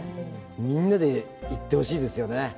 みんなで行ってほしいですよね